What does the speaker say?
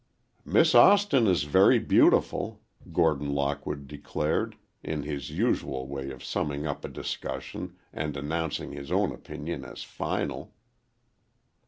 "Miss Austin is very beautiful," Gordon Lockwood declared, in his usual way of summing up a discussion and announcing his own opinion as final.